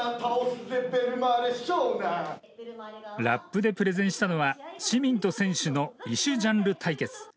ラップでプレゼンしたのは市民と選手の異種ジャンル対決。